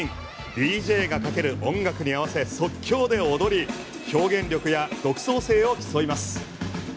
ＤＪがかける音楽に合わせ即興で踊り表現力や独創性を競います。